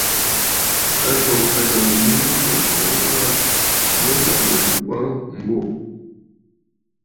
Lâ, ǹloŋ ajàŋ yìi mə mə̀ kɔ̀ŋə gho aa, mə bàŋnə̀ m̀buꞌu aa m̀bô.